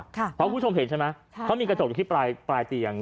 เพราะคุณผู้ชมเห็นใช่ไหมเขามีกระจกอยู่ที่ปลายเตียง